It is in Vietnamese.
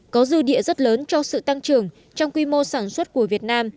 có dư địa rất lớn cho sự tăng trưởng trong quy mô sản xuất của việt nam